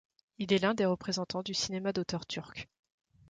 Il est l'un des représentants du cinéma d'auteur turc.